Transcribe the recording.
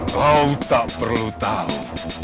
kau tak perlu tahu